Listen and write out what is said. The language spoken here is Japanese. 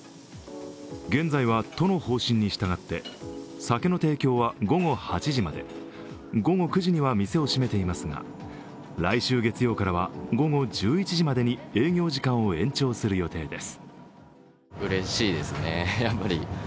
現在は都の方針に従って、酒の提供は午後８時まで、午後９時には店を閉めていますが来週月曜からは午後１１時までに営業時間を延長する予定です。